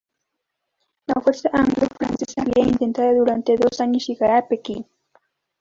La fuerza anglo-francesa había intentado durante dos años llegar a Pekín.